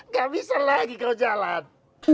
gak bisa lagi kau jalan